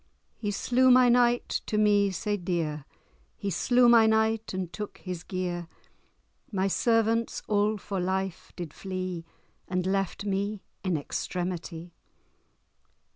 He slew my knight to me sae dear; He slew my knight, and took his gear; My servants all for life did flee, And left me in extremitie.